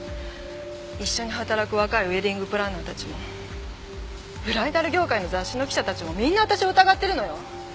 一緒に働く若いウエディングプランナーたちもブライダル業界の雑誌の記者たちもみんなわたしを疑ってるのよ！